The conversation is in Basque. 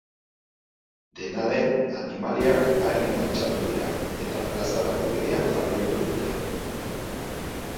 Dena den, animaliak arin altxatu dira, eta plazarako bidean jarraitu dute.